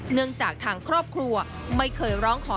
เนื่องจากทางครอบครัวไม่เคยร้องขอ